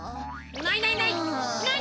ないないない！